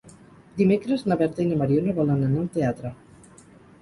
Dimecres na Berta i na Mariona volen anar al teatre.